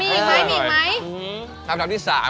มีอีกไหมมีอีกไหม